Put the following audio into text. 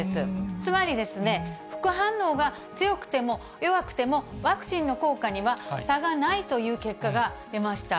つまり、副反応が強くても弱くても、ワクチンの効果には差がないという結果が出ました。